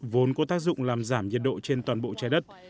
vốn có tác dụng làm giảm nhiệt độ trên toàn bộ trái đất